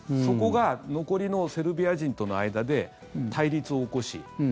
そこが残りのセルビア人との間で対立を起こし